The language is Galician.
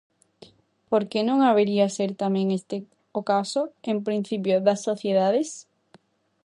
Por que non habería ser tamén este o caso, en principio, das sociedades?